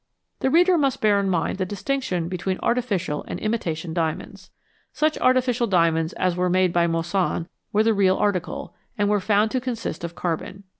The reader must bear in mind the distinction between artificial and imitation diamonds. Such artificial diamonds as were made by Moissan were the real article, and were found to consist of carbon.